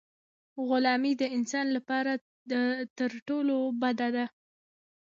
غلامي د انسان لپاره تر ټولو بده ده.